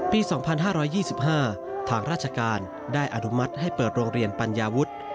ปี๒๕๒๕ทางราชการได้อนุมัติให้เปิดโรงเรียนปัญญาวุฒิ